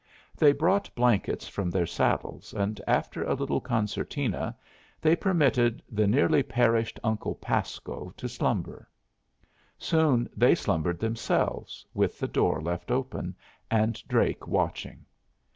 They brought blankets from their saddles, and after a little concertina they permitted the nearly perished Uncle Pasco to slumber. Soon they slumbered themselves, with the door left open, and Drake watching.